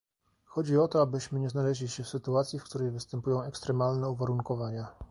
Chodzi o to, abyśmy nie znaleźli się w sytuacji, w której występują ekstremalne uwarunkowania